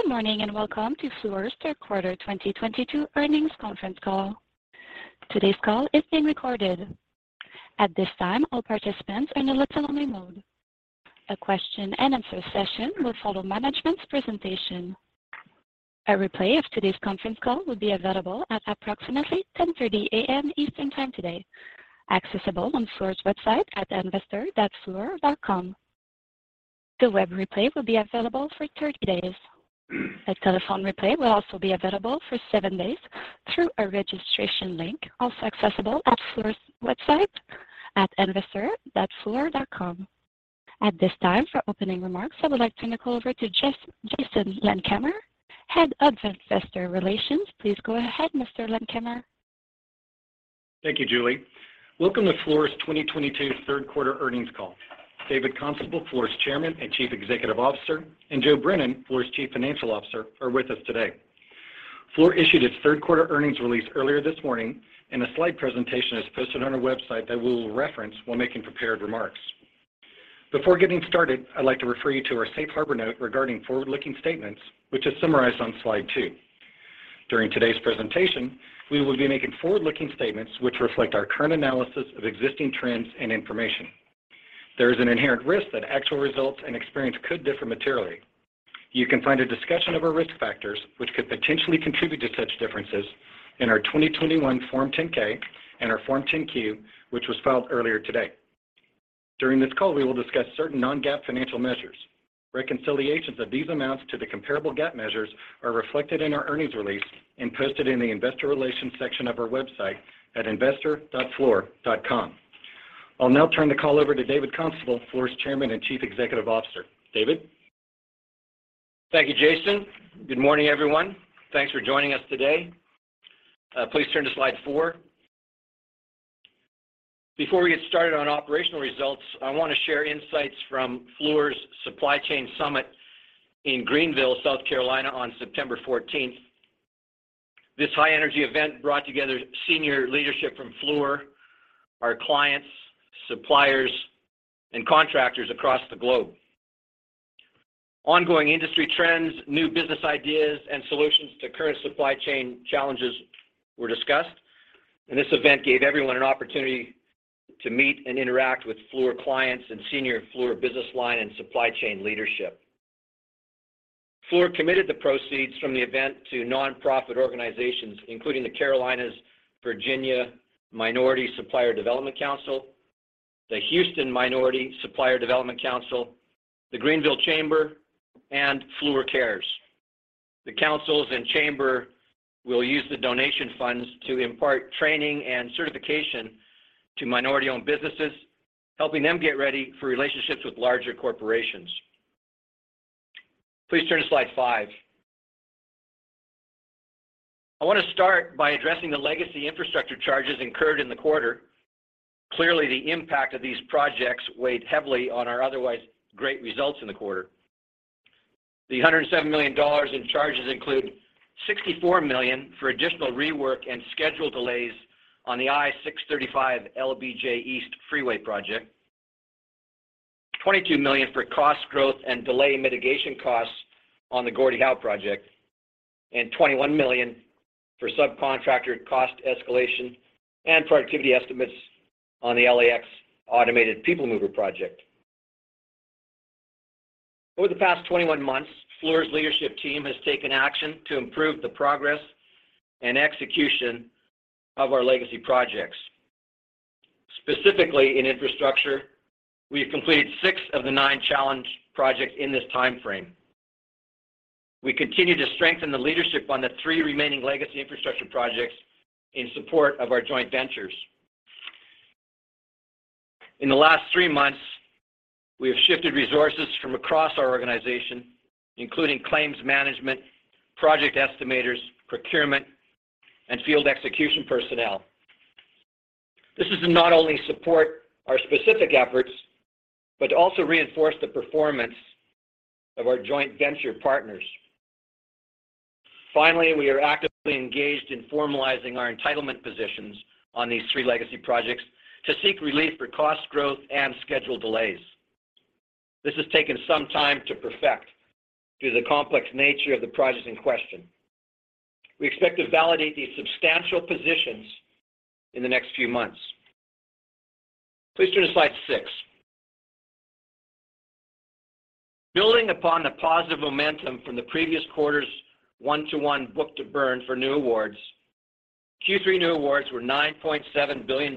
Good morning, and welcome to Fluor's third quarter 2022 earnings conference call. Today's call is being recorded. At this time, all participants are in a listen-only mode. A question-and-answer session will follow management's presentation. A replay of today's conference call will be available at approximately 10:30 A.M. Eastern Time today, accessible on Fluor's website at investor.fluor.com. The web replay will be available for 30 days. A telephone replay will also be available for seven days through a registration link, also accessible at Fluor's website at investor.fluor.com. At this time, for opening remarks, I would like to turn the call over to Jason Landkamer, Head of Investor Relations. Please go ahead, Mr. Landkamer. Thank you, Julie. Welcome to Fluor's 2022 third quarter earnings call. David Constable, Fluor's Chairman and Chief Executive Officer, and Joe Brennan, Fluor's Chief Financial Officer, are with us today. Fluor issued its third quarter earnings release earlier this morning, and a slide presentation is posted on our website that we will reference while making prepared remarks. Before getting started, I'd like to refer you to our safe harbor note regarding forward-looking statements, which is summarized on slide two. During today's presentation, we will be making forward-looking statements which reflect our current analysis of existing trends and information. There is an inherent risk that actual results and experience could differ materially. You can find a discussion of our risk factors, which could potentially contribute to such differences, in our 2021 Form 10-K and our Form 10-Q, which was filed earlier today. During this call, we will discuss certain Non-GAAP financial measures. Reconciliations of these amounts to the comparable GAAP measures are reflected in our earnings release and posted in the investor relations section of our website at investor.fluor.com. I'll now turn the call over to David Constable, Fluor's Chairman and Chief Executive Officer. David? Thank you, Jason. Good morning, everyone. Thanks for joining us today. Please turn to slide four. Before we get started on operational results, I want to share insights from Fluor's Supply Chain Summit in Greenville, South Carolina, on September 14th. This high-energy event brought together senior leadership from Fluor, our clients, suppliers, and contractors across the globe. Ongoing industry trends, new business ideas, and solutions to current supply chain challenges were discussed, and this event gave everyone an opportunity to meet and interact with Fluor clients and senior Fluor business line and supply chain leadership. Fluor committed the proceeds from the event to nonprofit organizations, including the Carolinas-Virginia Minority Supplier Development Council, the Houston Minority Supplier Development Council, the Greenville Chamber, and Fluor Cares. The councils and chamber will use the donation funds to impart training and certification to minority-owned businesses, helping them get ready for relationships with larger corporations. Please turn to slide five. I want to start by addressing the legacy infrastructure charges incurred in the quarter. Clearly, the impact of these projects weighed heavily on our otherwise great results in the quarter. The $107 million in charges include $64 million for additional rework and schedule delays on the I-635 LBJ East freeway project, $22 million for cost growth and delay mitigation costs on the Gordie Howe project, and $21 million for subcontractor cost escalation and productivity estimates on the LAX Automated People Mover project. Over the past 21 months, Fluor's leadership team has taken action to improve the progress and execution of our legacy projects. Specifically, in infrastructure, we have completed six of the nine challenge projects in this timeframe. We continue to strengthen the leadership on the three remaining legacy infrastructure projects in support of our joint ventures. In the last three months, we have shifted resources from across our organization, including claims management, project estimators, procurement, and field execution personnel. This is to not only support our specific efforts but to also reinforce the performance of our joint venture partners. Finally, we are actively engaged in formalizing our entitlement positions on these three legacy projects to seek relief for cost growth and schedule delays. This has taken some time to perfect due to the complex nature of the projects in question. We expect to validate these substantial positions in the next few months. Please turn to slide six. Building upon the positive momentum from the previous quarter's one-to-one book-to-burn for new awards, Q3 new awards were $9.7 billion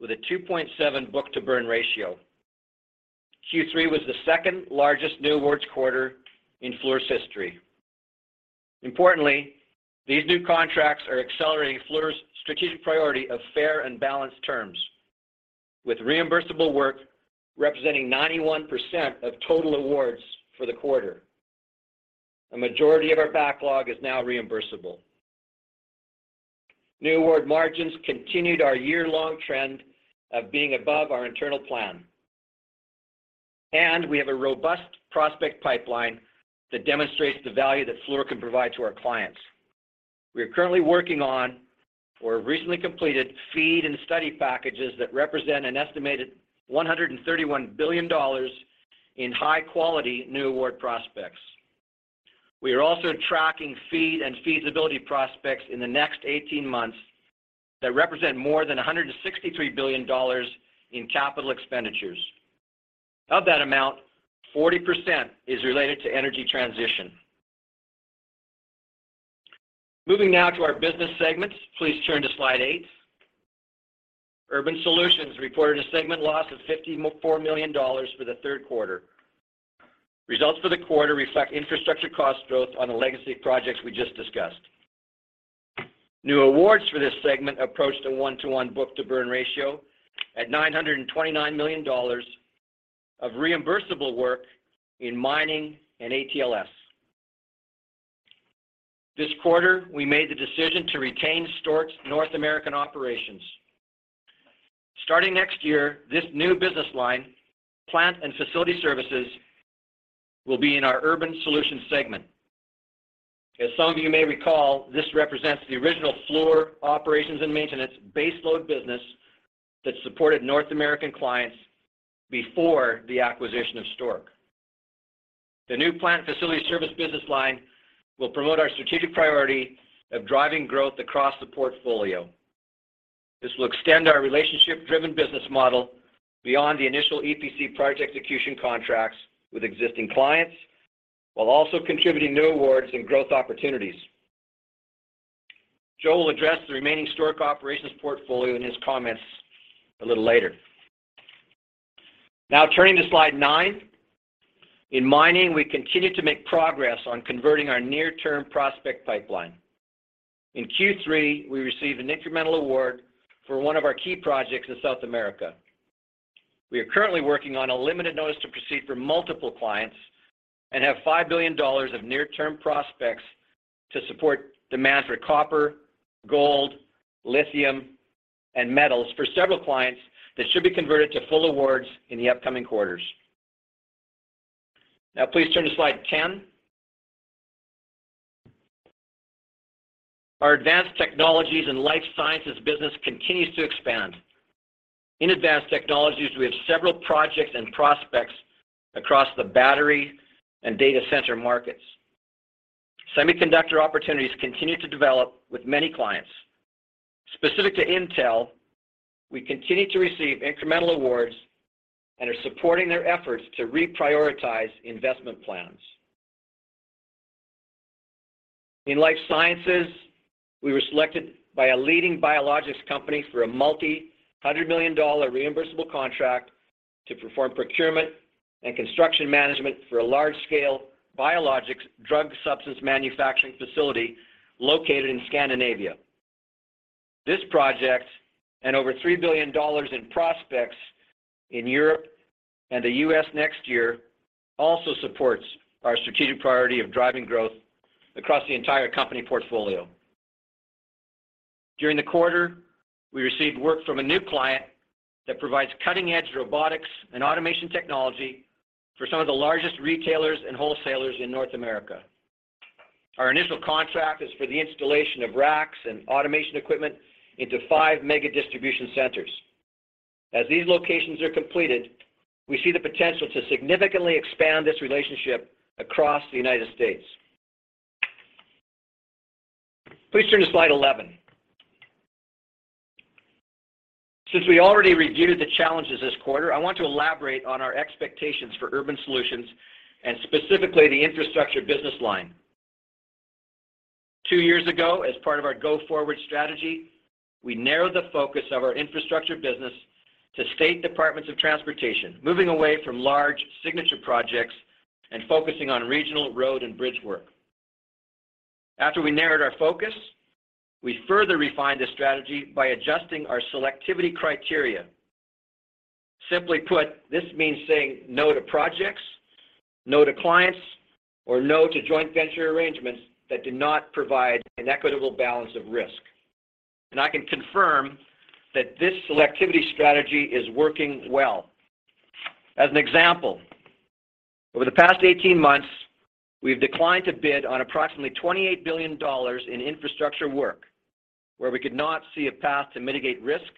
with a 2.7 book-to-burn ratio. Q3 was the second-largest new awards quarter in Fluor's history. Importantly, these new contracts are accelerating Fluor's strategic priority of fair and balanced terms, with reimbursable work representing 91% of total awards for the quarter. A majority of our backlog is now reimbursable. New award margins continued our year-long trend of being above our internal plan. We have a robust prospect pipeline that demonstrates the value that Fluor can provide to our clients. We are currently working on or have recently completed feed and study packages that represent an estimated $131 billion in high-quality new award prospects. We are also tracking FEED and feasibility prospects in the next 18 months that represent more than $163 billion in capital expenditures. Of that amount, 40% is related to energy transition. Moving now to our business segments. Please turn to slide eight. Urban Solutions reported a segment loss of $54 million for the third quarter. Results for the quarter reflect infrastructure cost growth on the legacy projects we just discussed. New awards for this segment approached a one-to-one book-to-burn ratio at $929 million of reimbursable work in mining and ATLS. This quarter, we made the decision to retain Stork's North American operations. Starting next year, this new business line, Plant & Facility Services, will be in our Urban Solutions segment. As some of you may recall, this represents the original Fluor operations and maintenance baseload business that supported North American clients before the acquisition of Stork. The new Plant & Facility Services business line will promote our strategic priority of driving growth across the portfolio. This will extend our relationship-driven business model beyond the initial EPC project execution contracts with existing clients while also contributing new awards and growth opportunities. Joe will address the remaining Stork operations portfolio in his comments a little later. Now turning to slide nine. In mining, we continue to make progress on converting our near-term prospect pipeline. In Q3, we received an incremental award for one of our key projects in South America. We are currently working on a limited notice to proceed for multiple clients and have $5 billion of near-term prospects to support demand for copper, gold, lithium, and metals for several clients that should be converted to full awards in the upcoming quarters. Now please turn to slide 10. Our Advanced Technologies & Life Sciences business continues to expand. In Advanced Technologies, we have several projects and prospects across the battery and data center markets. Semiconductor opportunities continue to develop with many clients. Specific to Intel, we continue to receive incremental awards and are supporting their efforts to reprioritize investment plans. In Life Sciences, we were selected by a leading biologics company for a $ multi-hundred million reimbursable contract to perform procurement and construction management for a large-scale biologics drug substance manufacturing facility located in Scandinavia. This project and over $3 billion in prospects in Europe and the U.S. next year also supports our strategic priority of driving growth across the entire company portfolio. During the quarter, we received work from a new client that provides cutting-edge robotics and automation technology for some of the largest retailers and wholesalers in North America. Our initial contract is for the installation of racks and automation equipment into five mega distribution centers. As these locations are completed, we see the potential to significantly expand this relationship across the United States. Please turn to slide 11. Since we already reviewed the challenges this quarter, I want to elaborate on our expectations for Urban Solutions and specifically the infrastructure business line. Two years ago, as part of our Go Forward strategy, we narrowed the focus of our infrastructure business to state departments of transportation, moving away from large signature projects and focusing on regional road and bridge work. After we narrowed our focus, we further refined the strategy by adjusting our selectivity criteria. Simply put, this means saying no to projects, no to clients, or no to joint venture arrangements that do not provide an equitable balance of risk. I can confirm that this selectivity strategy is working well. As an example, over the past 18 months, we've declined to bid on approximately $28 billion in infrastructure work where we could not see a path to mitigate risk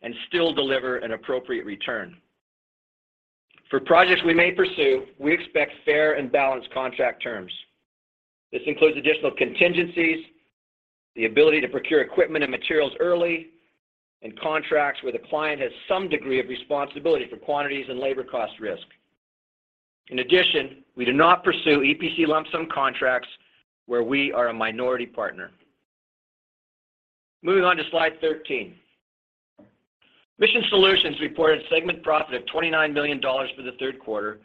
and still deliver an appropriate return. For projects we may pursue, we expect fair and balanced contract terms. This includes additional contingencies, the ability to procure equipment and materials early, and contracts where the client has some degree of responsibility for quantities and labor cost risk. In addition, we do not pursue EPC lump sum contracts where we are a minority partner. Moving on to slide 13. Mission Solutions reported segment profit of $29 million for the third quarter,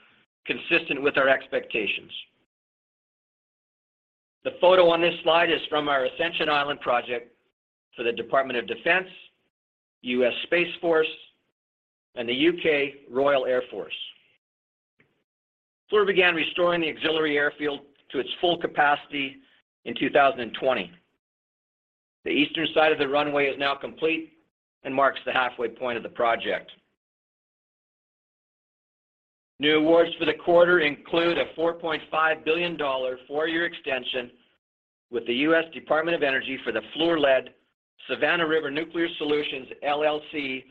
consistent with our expectations. The photo on this slide is from our Ascension Island project for the Department of Defense, U.S. Space Force, and the U.K. Royal Air Force. Fluor began restoring the auxiliary airfield to its full capacity in 2020. The eastern side of the runway is now complete and marks the halfway point of the project. New awards for the quarter include a $4.5 billion four-year extension with the U.S. Department of Energy for the Fluor-led Savannah River Nuclear Solutions, LLC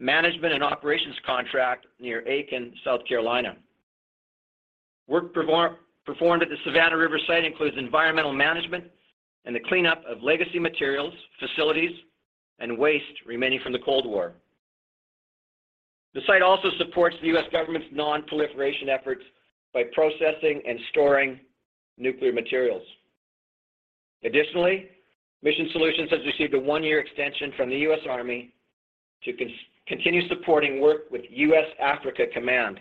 management and operations contract near Aiken, South Carolina. Work performed at the Savannah River site includes environmental management and the cleanup of legacy materials, facilities, and waste remaining from the Cold War. The site also supports the U.S. government's non-proliferation efforts by processing and storing nuclear materials. Additionally, Mission Solutions has received a one-year extension from the U.S. Army to continue supporting work with United States Africa Command.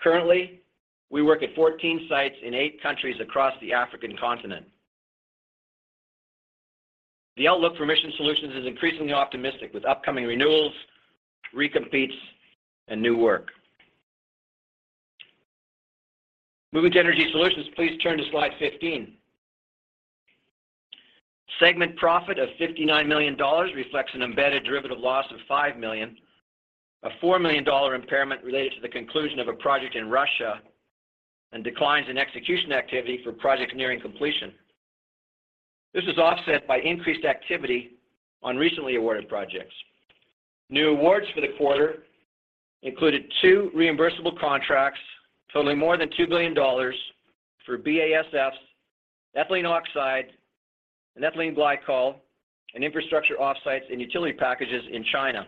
Currently, we work at 14 sites in eight countries across the African continent. The outlook for Mission Solutions is increasingly optimistic with upcoming renewals, recompetes, and new work. Moving to Energy Solutions, please turn to slide 15. Segment profit of $59 million reflects an embedded derivative loss of $5 million, a $4 million impairment related to the conclusion of a project in Russia, and declines in execution activity for projects nearing completion. This was offset by increased activity on recently awarded projects. New awards for the quarter included two reimbursable contracts totaling more than $2 billion for BASF's ethylene oxide and ethylene glycol and infrastructure offsites and utility packages in China.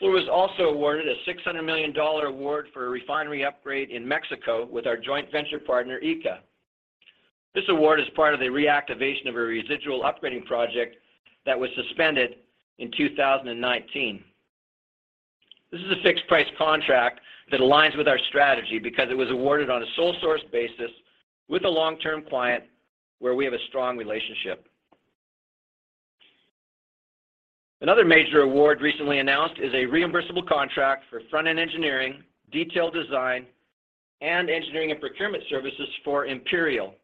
Fluor was also awarded a $600 million award for a refinery upgrade in Mexico with our joint venture partner, ICA. This award is part of the reactivation of a residual upgrading project that was suspended in 2019. This is a fixed price contract that aligns with our strategy because it was awarded on a sole source basis with a long-term client where we have a strong relationship. Another major award recently announced is a reimbursable contract for front-end engineering, detail design, and engineering and procurement services for Imperial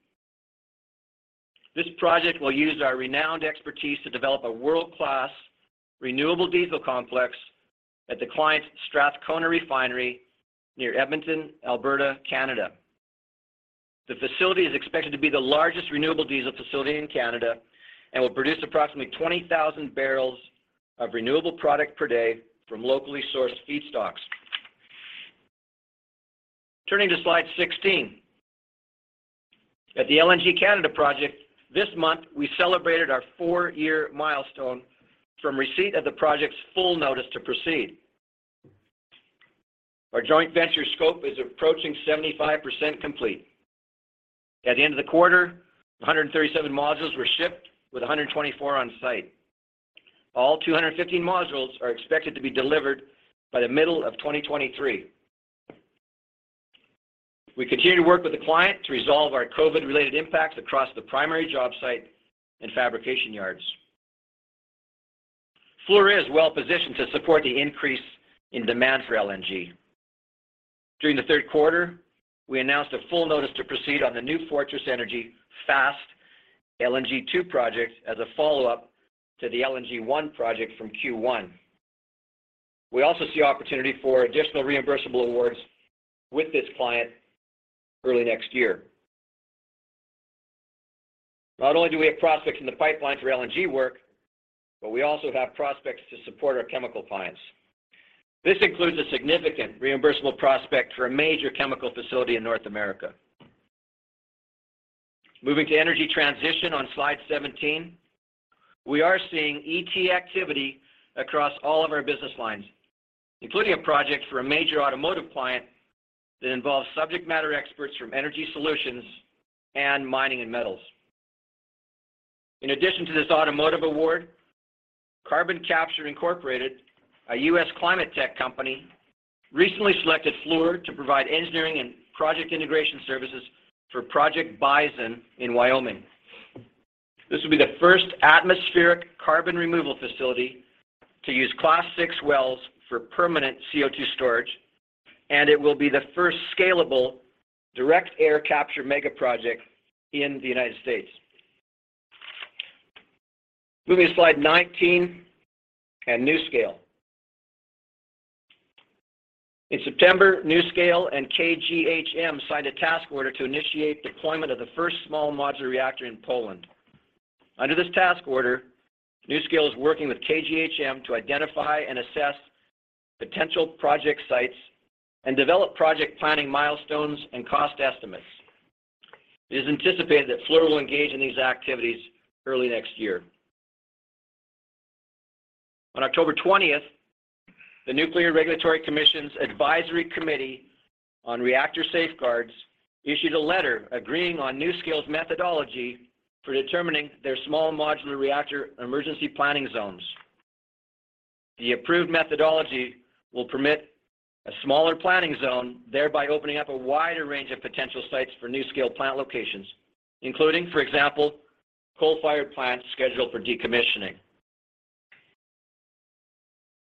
Oil. This project will use our renowned expertise to develop a world-class renewable diesel complex at the client's Strathcona Refinery near Edmonton, Alberta, Canada. The facility is expected to be the largest renewable diesel facility in Canada and will produce approximately 20,000 barrels of renewable product per day from locally sourced feedstocks. Turning to slide 16. At the LNG Canada project this month, we celebrated our 4-year milestone from receipt of the project's full notice to proceed. Our joint venture scope is approaching 75% complete. At the end of the quarter, 137 modules were shipped with 124 on-site. All 215 modules are expected to be delivered by the middle of 2023. We continue to work with the client to resolve our COVID-related impacts across the primary job site and fabrication yards. Fluor is well-positioned to support the increase in demand for LNG. During the third quarter, we announced a full notice to proceed on the New Fortress Energy Fast LNG 2 project as a follow-up to the LNG 1 project from Q1. We also see opportunity for additional reimbursable awards with this client early next year. Not only do we have prospects in the pipeline for LNG work, but we also have prospects to support our chemical clients. This includes a significant reimbursable prospect for a major chemical facility in North America. Moving to energy transition on slide 17. We are seeing ET activity across all of our business lines, including a project for a major automotive client that involves subject matter experts from Energy Solutions and Mining and Metals. In addition to this automotive award, CarbonCapture Inc., a U.S. climate tech company, recently selected Fluor to provide engineering and project integration services for Project Bison in Wyoming. This will be the first atmospheric carbon removal facility to use Class VI wells for permanent CO2 storage, and it will be the first scalable direct air capture mega project in the United States. Moving to slide 19 and NuScale. In September, NuScale and KGHM signed a task order to initiate deployment of the first small modular reactor in Poland. Under this task order, NuScale is working with KGHM to identify and assess potential project sites and develop project planning milestones and cost estimates. It is anticipated that Fluor will engage in these activities early next year. On October 20th, the U.S. Nuclear Regulatory Commission’s Advisory Committee on Reactor Safeguards issued a letter agreeing on NuScale’s methodology for determining their small modular reactor emergency planning zones. The approved methodology will permit a smaller planning zone, thereby opening up a wider range of potential sites for NuScale plant locations, including, for example, coal-fired plants scheduled for decommissioning.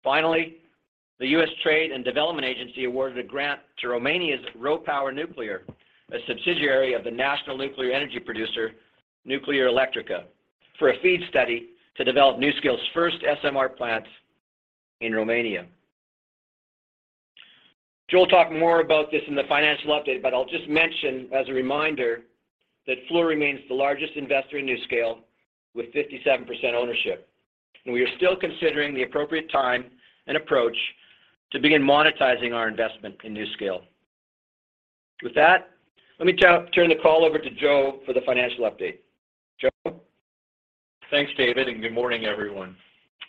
Finally, the U.S. Trade and Development Agency awarded a grant to Romania’s RoPower Nuclear, a subsidiary of the national nuclear energy producer, Nuclearelectrica. For a FEED study to develop NuScale’s first SMR plants in Romania. Joe will talk more about this in the financial update, but I'll just mention as a reminder that Fluor remains the largest investor in NuScale with 57% ownership, and we are still considering the appropriate time and approach to begin monetizing our investment in NuScale. With that, let me turn the call over to Joe for the financial update. Joe? Thanks, David, and good morning, everyone.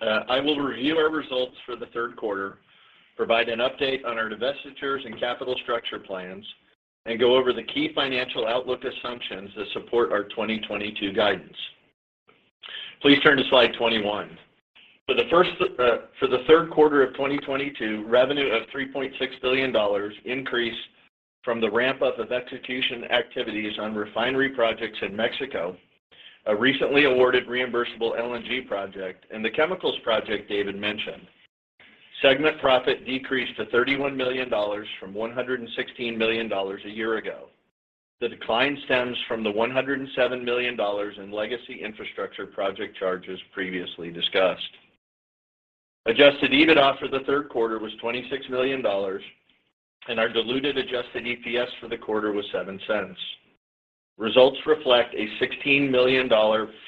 I will review our results for the third quarter, provide an update on our divestitures and capital structure plans, and go over the key financial outlook assumptions that support our 2022 guidance. Please turn to slide 21. For the third quarter of 2022, revenue of $3.6 billion increased from the ramp-up of execution activities on refinery projects in Mexico, a recently awarded reimbursable LNG project, and the chemicals project David mentioned. Segment profit decreased to $31 million from $116 million a year ago. The decline stems from the $107 million in legacy infrastructure project charges previously discussed. Adjusted EBITDA for the third quarter was $26 million, and our diluted adjusted EPS for the quarter was $0.07. Results reflect a $16 million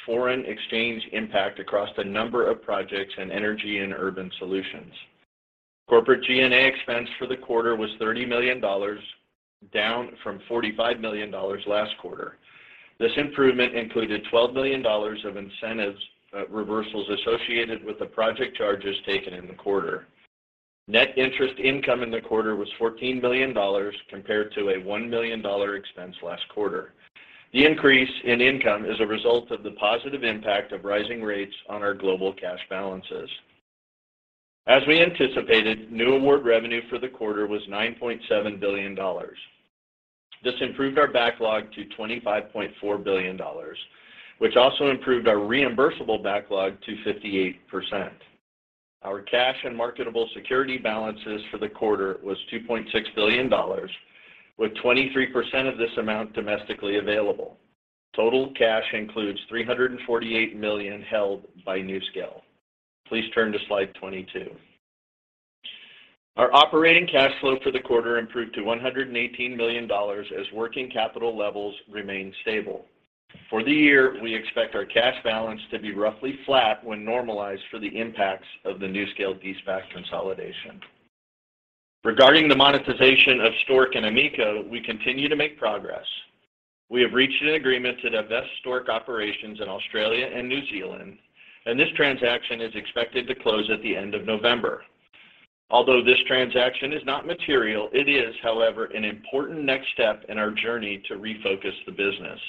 foreign exchange impact across a number of projects in Energy and Urban Solutions. Corporate G&A expense for the quarter was $30 million, down from $45 million last quarter. This improvement included $12 million of incentives, reversals associated with the project charges taken in the quarter. Net interest income in the quarter was $14 million compared to a $1 million expense last quarter. The increase in income is a result of the positive impact of rising rates on our global cash balances. As we anticipated, new award revenue for the quarter was $9.7 billion. This improved our backlog to $25.4 billion, which also improved our reimbursable backlog to 58%. Our cash and marketable security balances for the quarter was $2.6 billion, with 23% of this amount domestically available. Total cash includes $348 million held by NuScale. Please turn to slide 22. Our operating cash flow for the quarter improved to $118 million as working capital levels remained stable. For the year, we expect our cash balance to be roughly flat when normalized for the impacts of the NuScale de-SPAC consolidation. Regarding the monetization of Stork and AMECO, we continue to make progress. We have reached an agreement to divest Stork operations in Australia and New Zealand, and this transaction is expected to close at the end of November. Although this transaction is not material, it is, however, an important next step in our journey to refocus the business.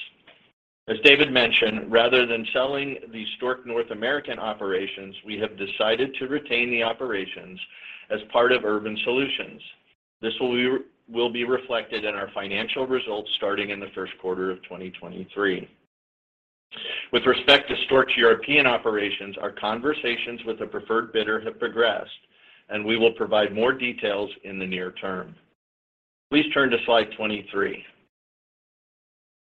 As David mentioned, rather than selling the Stork North American operations, we have decided to retain the operations as part of Urban Solutions. This will be reflected in our financial results starting in the first quarter of 2023. With respect to Stork European operations, our conversations with the preferred bidder have progressed, and we will provide more details in the near-term. Please turn to slide 23.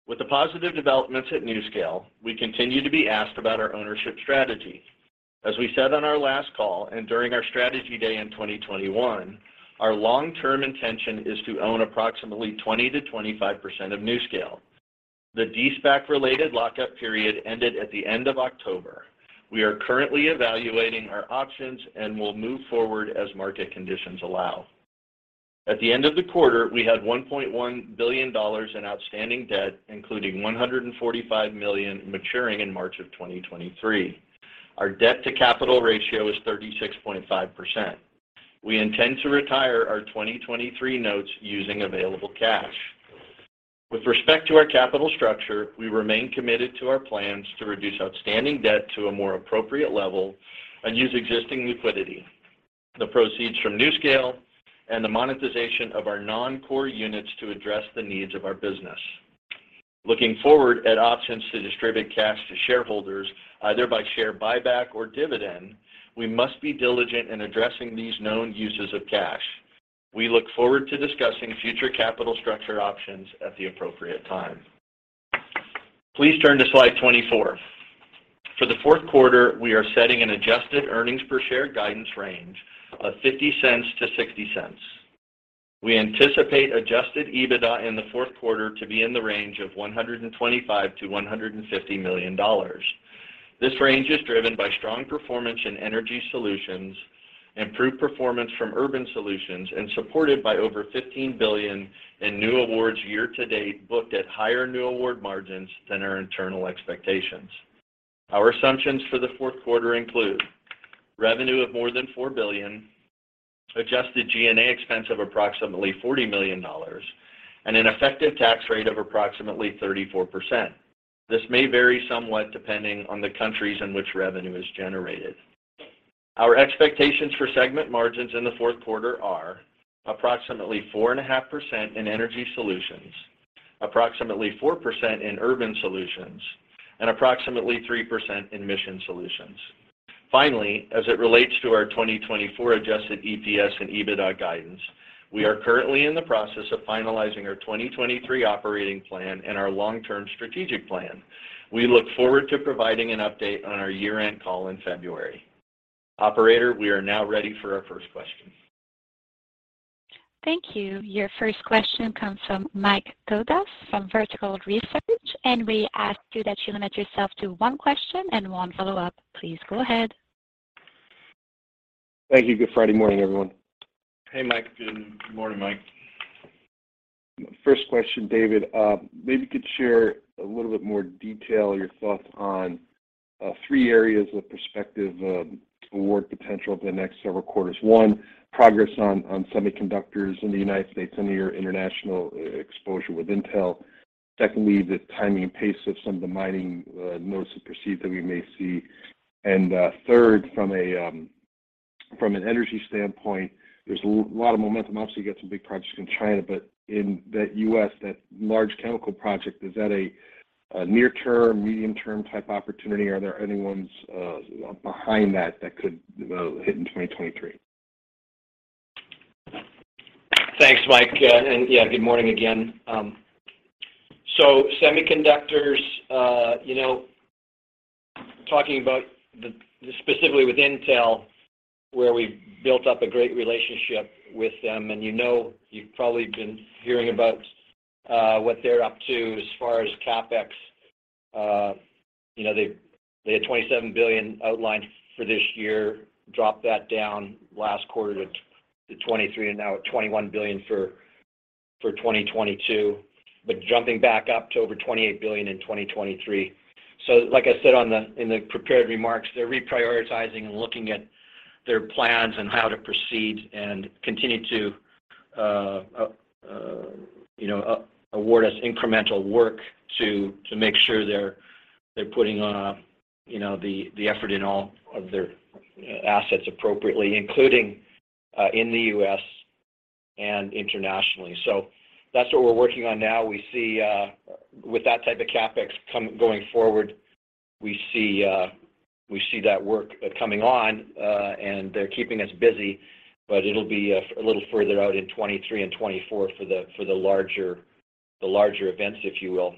With the positive developments at NuScale, we continue to be asked about our ownership strategy. As we said on our last call and during our strategy day in 2021, our long-term intention is to own approximately 20%-25% of NuScale. The de-SPAC related lockup period ended at the end of October. We are currently evaluating our options and will move forward as market conditions allow. At the end of the quarter, we had $1.1 billion in outstanding debt, including $145 million maturing in March of 2023. Our debt-to-capital ratio is 36.5%. We intend to retire our 2023 notes using available cash. With respect to our capital structure, we remain committed to our plans to reduce outstanding debt to a more appropriate level and use existing liquidity. The proceeds from NuScale and the monetization of our non-core units to address the needs of our business. Looking forward at options to distribute cash to shareholders, either by share buyback or dividend, we must be diligent in addressing these known uses of cash. We look forward to discussing future capital structure options at the appropriate time. Please turn to slide 24. For the fourth quarter, we are setting an adjusted earnings per share guidance range of $0.50-$0.60. We anticipate adjusted EBITDA in the fourth quarter to be in the range of $125 million-$150 million. This range is driven by strong performance in Energy Solutions, improved performance from Urban Solutions, and supported by over $15 billion in new awards year to date, booked at higher new award margins than our internal expectations. Our assumptions for the fourth quarter include revenue of more than $4 billion, adjusted G&A expense of approximately $40 million, and an effective tax rate of approximately 34%. This may vary somewhat depending on the countries in which revenue is generated. Our expectations for segment margins in the fourth quarter are approximately 4.5% in Energy Solutions, approximately 4% in Urban Solutions, and approximately 3% in Mission Solutions. Finally, as it relates to our 2024 adjusted EPS and EBITDA guidance, we are currently in the process of finalizing our 2023 operating plan and our long-term strategic plan. We look forward to providing an update on our year-end call in February. Operator, we are now ready for our first question. Thank you. Your first question comes from Michael Dudas from Vertical Research, and we ask you that you limit yourself to one question and one follow-up. Please go ahead. Thank you. Good Friday morning, everyone. Hey, Mike. Good morning, Mike. First question, David, maybe you could share a little bit more detail, your thoughts on three areas of prospective award potential over the next several quarters. One, progress on semiconductors in the United States and your international exposure with Intel. Secondly, the timing and pace of some of the mining notice to proceed that we may see. Third, from an energy standpoint, there's a lot of momentum. Obviously, you've got some big projects in China, but in the U.S., that large chemical project, is that a near-term, medium-term type opportunity? Are there any ones behind that that could hit in 2023? Thanks, Mike. Yeah, good morning again. Semiconductors, you know, talking about the, specifically with Intel, where we've built up a great relationship with them, and you know, you've probably been hearing about what they're up to as far as CapEx. You know, they had $27 billion outlined for this year, dropped that down last quarter to $23 billion, and now at $21 billion for 2022. Jumping back up to over $28 billion in 2023. Like I said in the prepared remarks, they're reprioritizing and looking at their plans and how to proceed and continue to, you know, award us incremental work to make sure they're putting on, you know, the effort in all of their assets appropriately, including in the U.S. and internationally. That's what we're working on now. We see with that type of CapEx going forward, we see that work coming on, and they're keeping us busy, but it'll be a little further out in 2023 and 2024 for the larger events, if you will.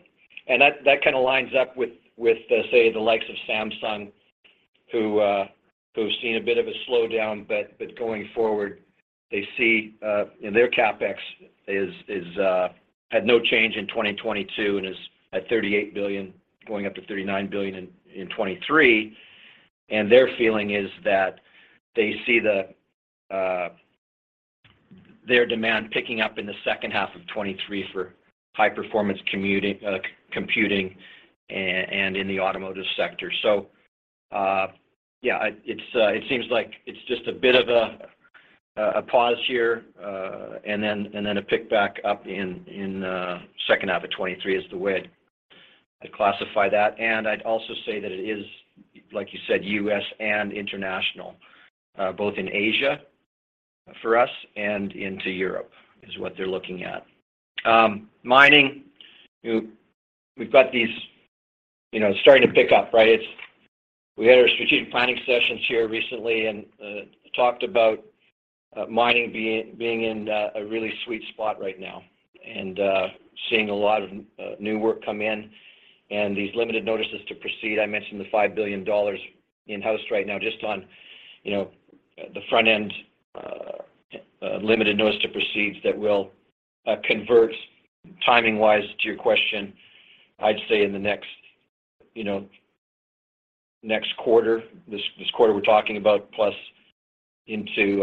That kind of lines up with, say, the likes of Samsung who's seen a bit of a slowdown, but going forward, they see in their CapEx had no change in 2022 and is at $38 billion, going up to $39 billion in 2023. Their feeling is that they see their demand picking up in the second half of 2023 for high-performance computing and in the automotive sector. It's just a bit of a pause here, and then a pick back up in second half of 2023 is the way I'd classify that. I'd also say that it is, like you said, U.S. and international, both in Asia for us and into Europe is what they're looking at. Mining, we've got these, you know, starting to pick up, right? We had our strategic planning sessions here recently and talked about mining being in a really sweet spot right now and seeing a lot of new work come in and these limited notices to proceed. I mentioned the $5 billion in-house right now just on, you know, the front end, limited notices to proceed that will convert timing-wise to your question. I'd say in the next, you know, next quarter, this quarter we're talking about plus into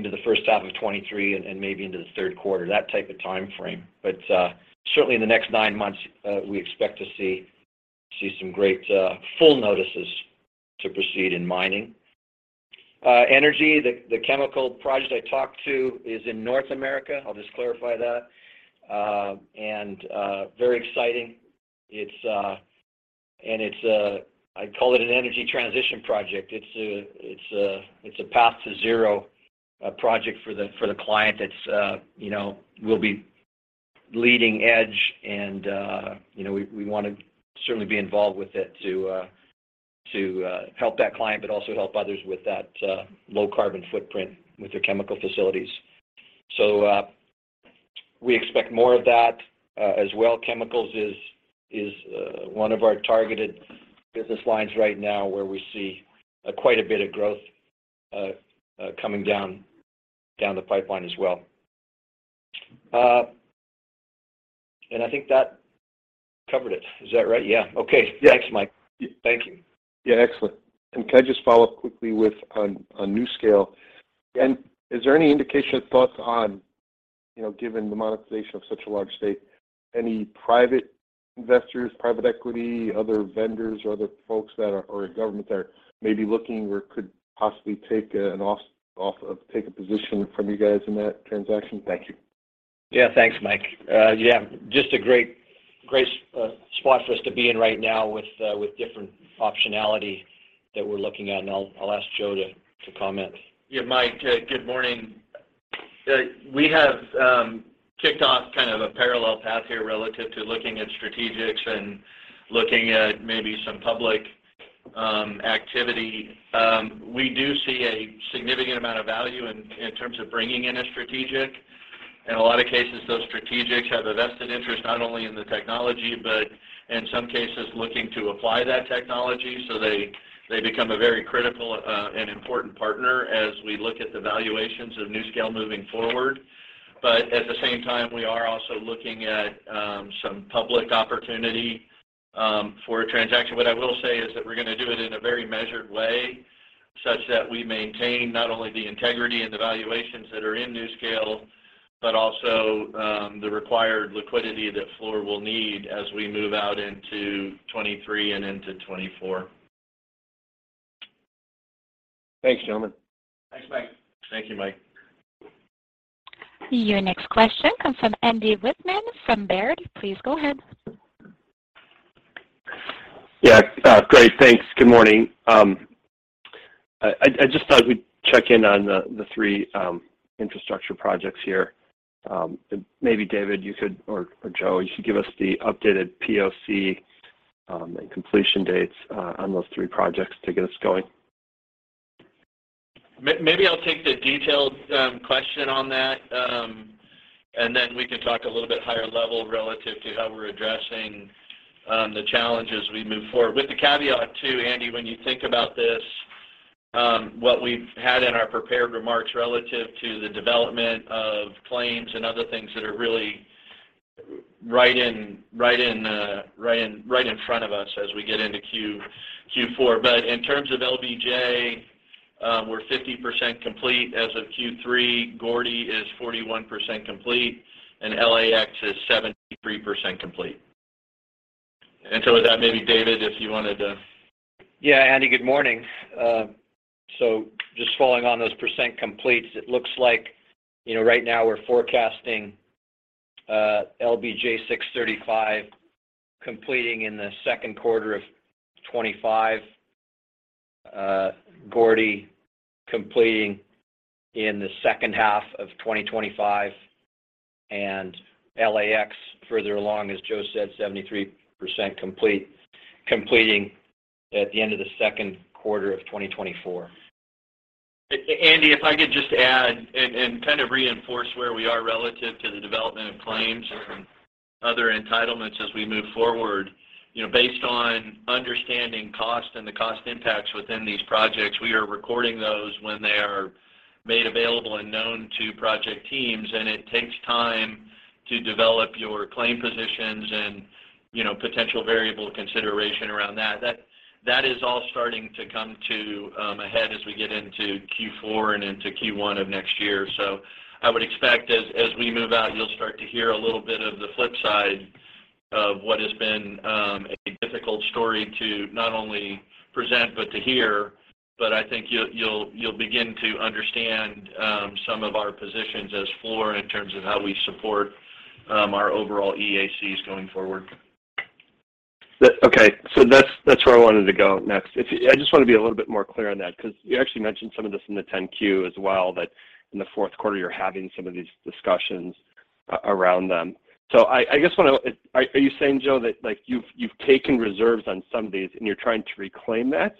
the first half of 2023 and maybe into the third quarter, that type of timeframe. Certainly in the next nine months, we expect to see some great full notices to proceed in mining. Energy, the chemical project I talked about is in North America. I'll just clarify that. Very exciting. It's, I'd call it an energy transition project. It's a path to zero project for the client that's you know will be leading edge and you know we want to certainly be involved with it to help that client but also help others with that low carbon footprint with their chemical facilities. We expect more of that as well. Chemicals is one of our targeted business lines right now where we see quite a bit of growth coming down the pipeline as well. I think that covered it. Is that right? Yeah. Okay. Yeah. Thanks, Mike. Thank you. Yeah, excellent. Can I just follow up quickly on NuScale? Is there any indication of thoughts on, you know, given the monetization of such a large stake, any private investors, private equity, other vendors, or other folks that are, or government that are maybe looking or could possibly take a position from you guys in that transaction? Thank you. Yeah, thanks, Mike. Yeah, just a great spot for us to be in right now with different optionality that we're looking at, and I'll ask Joe to comment. Yeah, Mike, good morning. We have kicked off kind of a parallel path here relative to looking at strategics and looking at maybe some public activity. We do see a significant amount of value in terms of bringing in a strategic. In a lot of cases, those strategics have a vested interest not only in the technology, but in some cases looking to apply that technology. They become a very critical and important partner as we look at the valuations of NuScale moving forward. At the same time, we are also looking at some public opportunity for a transaction. What I will say is that we're gonna do it in a very measured way such that we maintain not only the integrity and the valuations that are in NuScale, but also the required liquidity that Fluor will need as we move out into 2023 and into 2024. Thanks, gentlemen. Thanks, Mike. Thank you, Mike. Your next question comes from Andy Wittmann from Baird. Please go ahead. Yeah. Great. Thanks. Good morning. I just thought we'd check in on the three infrastructure projects here. Maybe David or Joe, you should give us the updated POC and completion dates on those three projects to get us going. Maybe I'll take the detailed question on that, and then we can talk a little bit higher level relative to how we're addressing the challenges we move forward. With the caveat too, Andy, when you think about this, what we've had in our prepared remarks relative to the development of claims and other things that are really right in front of us as we get into Q4. But in terms of LBJ, we're 50% complete as of Q3. Gordie is 41% complete, and LAX is 73% complete. With that, maybe David, if you wanted to- Yeah. Andy, good morning. Just following on those percent completes, it looks like, you know, right now we're forecasting, I-635 LBJ completing in the second quarter of 2025. Gordie completing in the second half of 2025, and LAX further along, as Joe said, 73% complete, completing at the end of the second quarter of 2024. If I could just add and kind of reinforce where we are relative to the development of claims and other entitlements as we move forward. You know, based on understanding cost and the cost impacts within these projects, we are recording those when they are made available and known to project teams, and it takes time to develop your claim positions and, you know, potential variable consideration around that. That is all starting to come to a head as we get into Q4 and into Q1 of next year. I would expect as we move out, you'll start to hear a little bit of the flip side of what has been a difficult story to not only present, but to hear. I think you'll begin to understand some of our positions as Fluor in terms of how we support our overall EACs going forward. Okay. That's where I wanted to go next. I just wanna be a little bit more clear on that because you actually mentioned some of this in the 10-Q as well, that in the fourth quarter you're having some of these discussions around them. I guess what I-- Are you saying, Joe, that, like, you've taken reserves on some of these, and you're trying to reclaim that?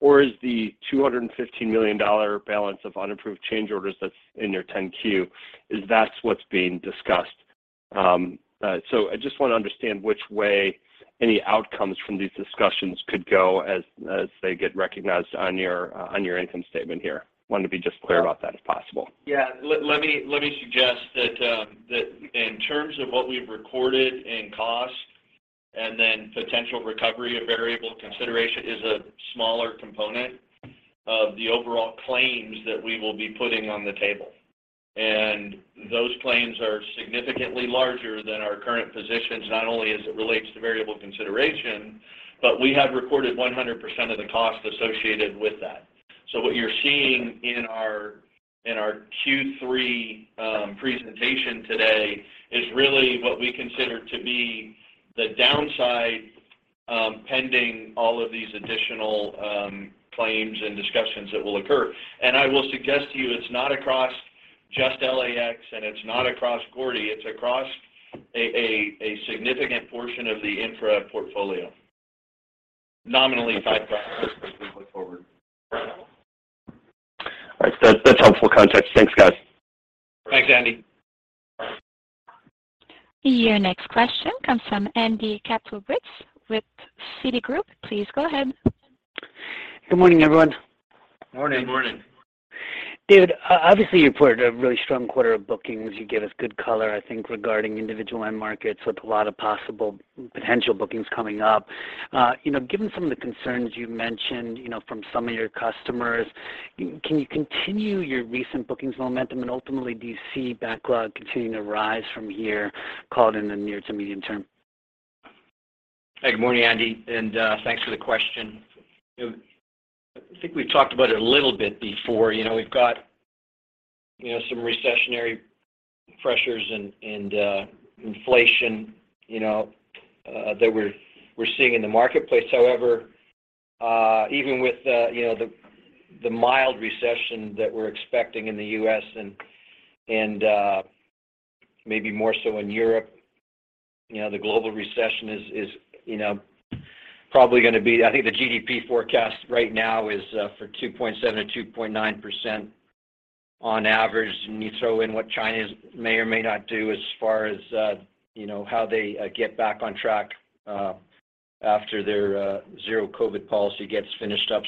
Or is the $215 million balance of unapproved change orders that's in your 10-Q, is that what's being discussed? I just wanna understand which way any outcomes from these discussions could go as they get recognized on your income statement here. Wanted to be just clear about that if possible. Yeah. Let me suggest that in terms of what we've recorded in cost and then potential recovery of variable consideration is a smaller component of the overall claims that we will be putting on the table. Those claims are significantly larger than our current positions, not only as it relates to variable consideration, but we have recorded 100% of the cost associated with that. What you're seeing in our Q3 presentation today is really what we consider to be the downside, pending all of these additional claims and discussions that will occur. I will suggest to you it's not across just LAX, and it's not across Gordie. It's across a significant portion of the infra portfolio. Nominally type All right. That's helpful context. Thanks, guys. Thanks, Andy. Your next question comes from Andy Kaplowitz with Citigroup. Please go ahead. Good morning, everyone. Morning. Good morning. David, obviously, you reported a really strong quarter of bookings. You gave us good color, I think, regarding individual end markets with a lot of possible potential bookings coming up. You know, given some of the concerns you mentioned, you know, from some of your customers, can you continue your recent bookings momentum? Ultimately, do you see backlog continuing to rise from here, call it, in the near- to medium-term? Hey, good morning, Andy, and thanks for the question. You know, I think we've talked about it a little bit before. You know, we've got some recessionary pressures and inflation that we're seeing in the marketplace. However, even with the mild recession that we're expecting in the U.S. and maybe more so in Europe, you know, the global recession is probably gonna be. I think the GDP forecast right now is for 2.7%-2.9% on average. When you throw in what China may or may not do as far as how they get back on track after their zero COVID policy gets finished up,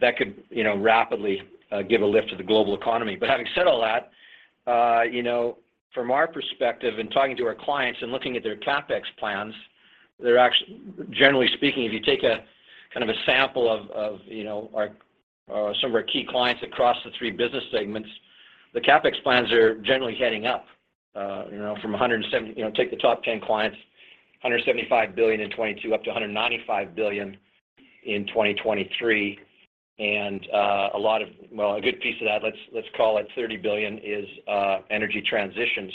that could rapidly give a lift to the global economy. Having said all that, you know, from our perspective in talking to our clients and looking at their CapEx plans, they're generally speaking, if you take a kind of a sample of, you know, our some of our key clients across the three business segments, the CapEx plans are generally heading up, you know, from $175 billion in 2022, up to $195 billion in 2023. A lot of that. Well, a good piece of that, let's call it $30 billion, is energy transition.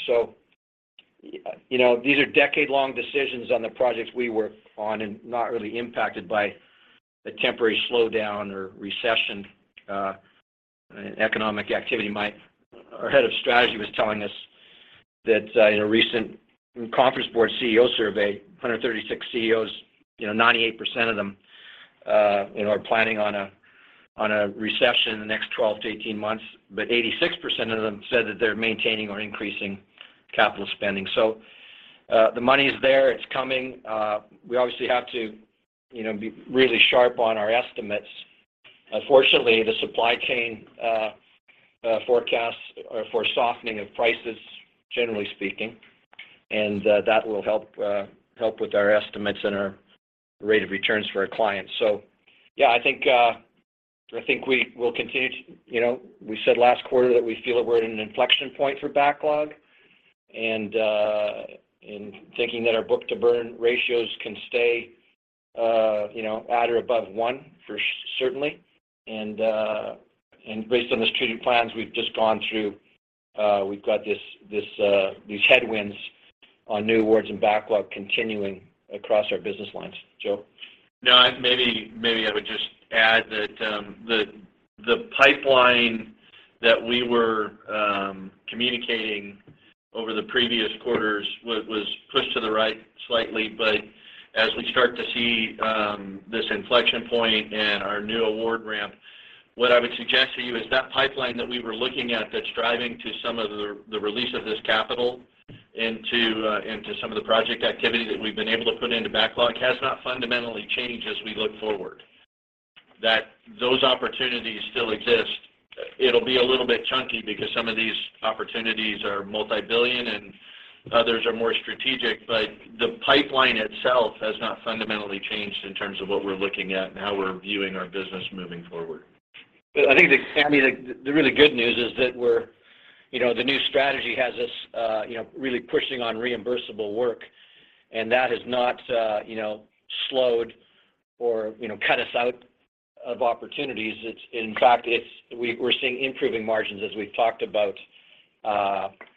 You know, these are decade-long decisions on the projects we work on and not really impacted by a temporary slowdown or recession, economic activity. Our head of strategy was telling us that in a recent The Conference Board CEO survey, 136 CEOs, you know, 98% of them are planning on a recession in the next 12-18 months. 86% of them said that they're maintaining or increasing capital spending. The money is there. It's coming. We obviously have to, you know, be really sharp on our estimates. Fortunately, the supply chain forecast for softening of prices, generally speaking, and that will help with our estimates and our rate of returns for our clients. Yeah, I think we will continue to. You know, we said last quarter that we feel that we're at an inflection point for backlog and thinking that our book-to-burn ratios can stay, you know, at or above one for certainly. Based on the strategic plans we've just gone through, we've got these headwinds on new awards and backlog continuing across our business lines. Joe? No, maybe I would just add that, the pipeline that we were communicating over the previous quarters was pushed to the right slightly. As we start to see this inflection point and our new award ramp, what I would suggest to you is that pipeline that we were looking at that's driving to some of the release of this capital into some of the project activity that we've been able to put into backlog has not fundamentally changed as we look forward, that those opportunities still exist. It'll be a little bit chunky because some of these opportunities are multi-billion and others are more strategic. The pipeline itself has not fundamentally changed in terms of what we're looking at and how we're viewing our business moving forward. I think, I mean, the really good news is that we're you know, the new strategy has us you know, really pushing on reimbursable work, and that has not you know, slowed or you know, cut us out of opportunities. In fact, we're seeing improving margins as we've talked about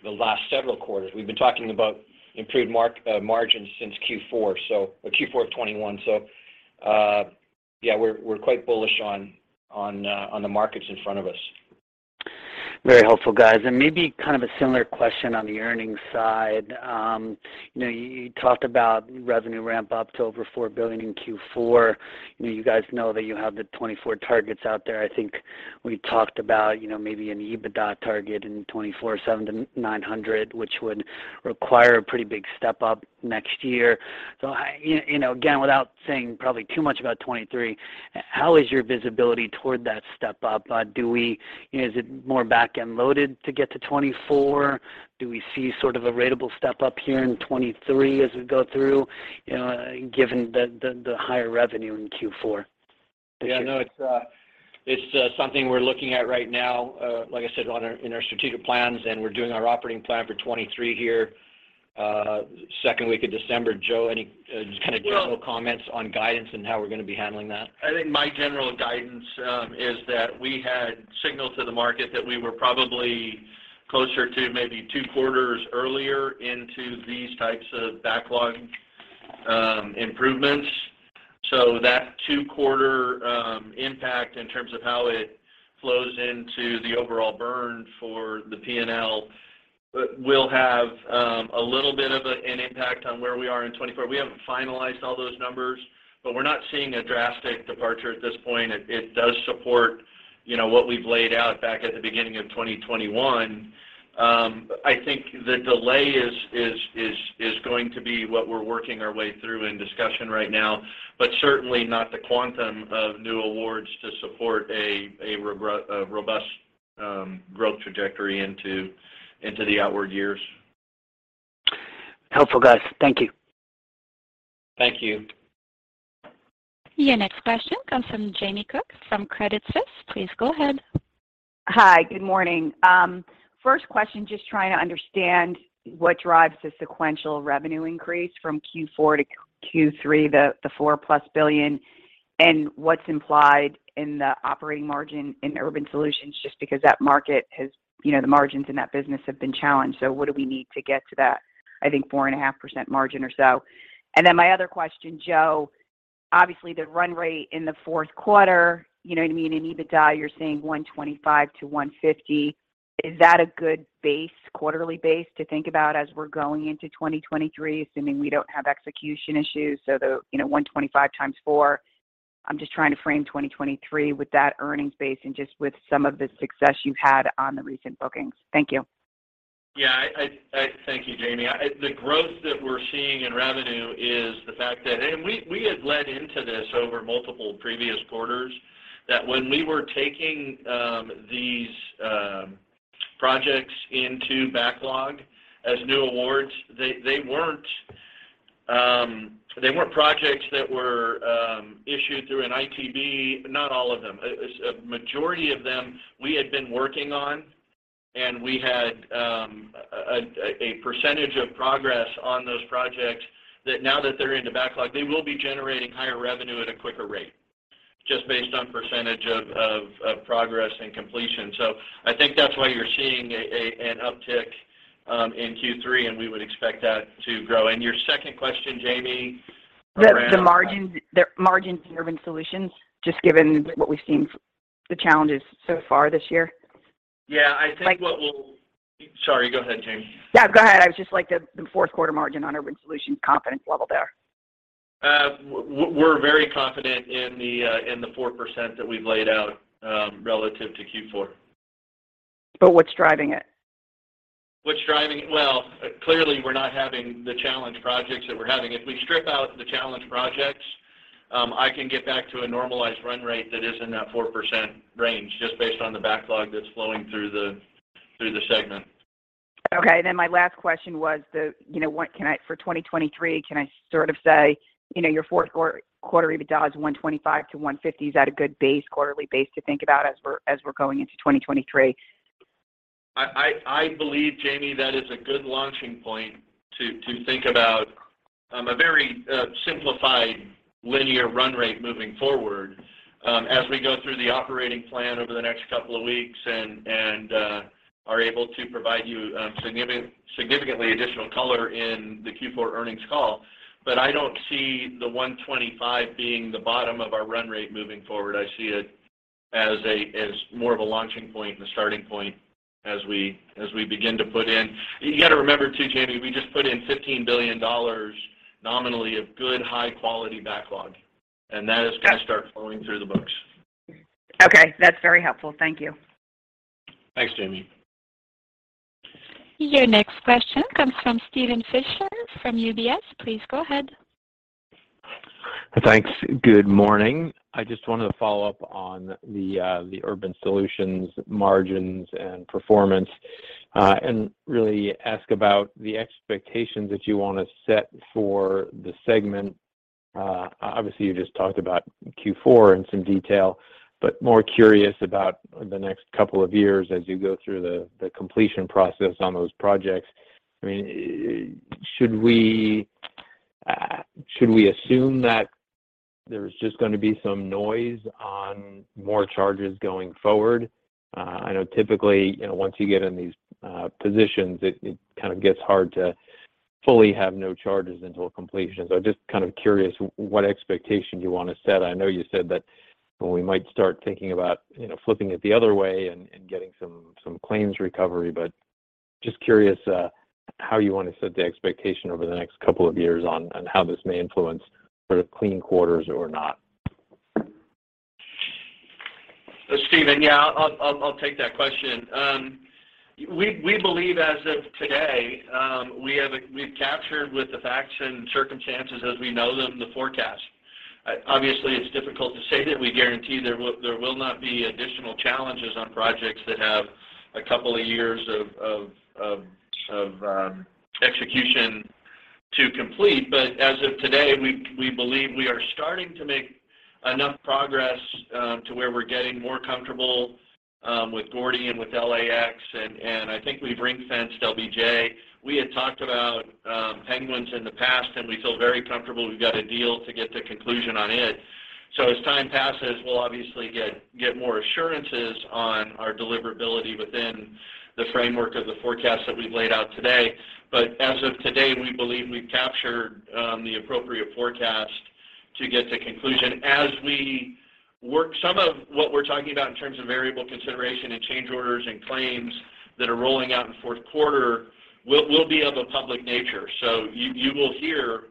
the last several quarters. We've been talking about improved margins since Q4 of 2021. Yeah, we're quite bullish on the markets in front of us. Very helpful, guys. Maybe kind of a similar question on the earnings side. You know, you talked about revenue ramp-up to over $4 billion in Q4. You know, you guys know that you have the 2024 targets out there. I think we talked about, you know, maybe an EBITDA target in 2024 of $700-$900 million, which would require a pretty big step-up next year. I, you know, again, without saying probably too much about 2023, how is your visibility toward that step-up? Do we... You know, is it more back-end-loaded to get to 2024? Do we see sort of a ratable step-up here in 2023 as we go through, you know, given the higher revenue in Q4? Yeah, no, it's something we're looking at right now, like I said, in our strategic plans, and we're doing our operating plan for 2023 here, second week of December. Joe, any just kind of general comments on guidance and how we're gonna be handling that? I think my general guidance is that we had signaled to the market that we were probably closer to maybe two quarters earlier into these types of backlog improvements. That two-quarter impact in terms of how it flows into the overall burn for the P&L will have a little bit of a, an impact on where we are in 2024. We haven't finalized all those numbers, but we're not seeing a drastic departure at this point. It does support, you know, what we've laid out back at the beginning of 2021. I think the delay is going to be what we're working our way through in discussion right now, but certainly not the quantum of new awards to support a robust growth trajectory into the outward years. Helpful, guys. Thank you. Thank you. Your next question comes from Jamie Cook from Credit Suisse. Please go ahead. Hi. Good morning. First question, just trying to understand what drives the sequential revenue increase from Q4 to Q3, the $4+ billion. What's implied in the operating margin in Urban Solutions, just because that market has, you know, the margins in that business have been challenged, so what do we need to get to that, I think, 4.5% margin or so? Then my other question, Joe, obviously, the run rate in the fourth quarter, you know what I mean, in EBITDA, you're saying $125-$150. Is that a good base, quarterly base to think about as we're going into 2023, assuming we don't have execution issues? You know, $125 x4. I'm just trying to frame 2023 with that earnings base and just with some of the success you've had on the recent bookings. Thank you. Yeah. Thank you, Jamie. The growth that we're seeing in revenue is the fact that we had led into this over multiple previous quarters that when we were taking these projects into backlog as new awards, they weren't projects that were issued through an ITB. Not all of them. A majority of them we had been working on and we had a percentage of progress on those projects that now that they're in the backlog, they will be generating higher revenue at a quicker rate just based on percentage of progress and completion. I think that's why you're seeing an uptick in Q3, and we would expect that to grow. Your second question, Jamie, around- The margin in Urban Solutions, just given what we've seen, the challenges so far this year. Yeah. I think what we'll Like- Sorry. Go ahead, Jamie. Yeah, go ahead. I would just like the fourth quarter margin on Urban Solutions confidence level there. We're very confident in the 4% that we've laid out relative to Q4. What's driving it? What's driving it? Well, clearly we're not having the challenge projects that we're having. If we strip out the challenge projects, I can get back to a normalized run rate that is in that 4% range just based on the backlog that's flowing through the segment. Okay. My last question was the, you know, for 2023, can I sort of say, you know, your fourth quarter EBITDA is $125-$150. Is that a good base, quarterly base to think about as we're going into 2023? I believe, Jamie, that is a good launching point to think about a very simplified linear run rate moving forward, as we go through the operating plan over the next couple of weeks and are able to provide you significantly additional color in the Q4 earnings call. I don't see the 125 being the bottom of our run rate moving forward. I see it as more of a launching point and a starting point as we begin to put in. You got to remember, too, Jamie, we just put in $15 billion nominally of good high-quality backlog, and that is gonna start flowing through the books. Okay. That's very helpful. Thank you. Thanks, Jamie. Your next question comes from Steven Fisher from UBS. Please go ahead. Thanks. Good morning. I just wanted to follow up on the Urban Solutions margins and performance, and really ask about the expectations that you want to set for the segment. Obviously, you just talked about Q4 in some detail, but more curious about the next couple of years as you go through the completion process on those projects. I mean, should we assume that there's just gonna be some noise on more charges going forward? I know typically, you know, once you get in these positions, it kind of gets hard to fully have no charges until completion. So just kind of curious what expectation you want to set. I know you said that we might start thinking about, you know, flipping it the other way and getting some claims recovery. Just curious, how you want to set the expectation over the next couple of years on how this may influence sort of clean quarters or not? Steven, yeah, I'll take that question. We believe as of today, we've captured with the facts and circumstances as we know them the forecast. Obviously, it's difficult to say that we guarantee there will not be additional challenges on projects that have a couple of years of execution to complete. As of today, we believe we are starting to make enough progress to where we're getting more comfortable with Gordie and with LAX and I think we've ring-fenced LBJ. We had talked about Penguins in the past, and we feel very comfortable we've got a deal to get to conclusion on it. As time passes, we'll obviously get more assurances on our deliverability within the framework of the forecast that we've laid out today. As of today, we believe we've captured the appropriate forecast to get to conclusion. Some of what we're talking about in terms of variable consideration and change orders and claims that are rolling out in the fourth quarter will be of a public nature. You will hear